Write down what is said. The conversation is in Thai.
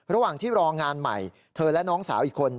ระหว่างที่รองานใหม่เธอและน้องสาวอีกคน